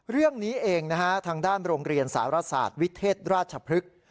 เรื่องนี้เองนะฮะทางด้านโรงเรียนสารศาสตร์วิเทศราชพฤกษ์